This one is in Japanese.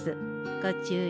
ご注意